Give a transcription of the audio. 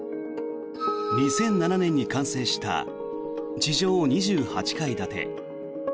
２００７年に完成した地上２８階建て。